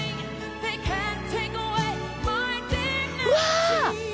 うわ！